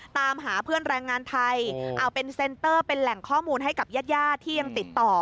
ตามหาเพื่อนแรงงานไทยเอาเป็นเซ็นเตอร์เป็นแหล่งข้อมูลให้กับญาติญาติที่ยังติดต่อ